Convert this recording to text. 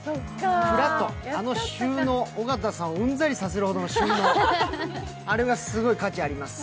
蔵とあの収納、尾形さんをうんざりさせるほどの収納、あれがすごい価値あります。